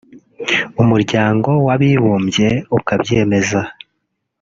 Umuryango w’Abibumbye ukabyemeza